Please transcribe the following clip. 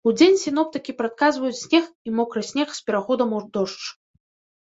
Удзень сіноптыкі прадказваюць снег і мокры снег з пераходам у дождж.